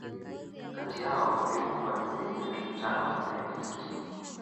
Kati yao waliokufa ni zaidi ya laki tano na elfu sitini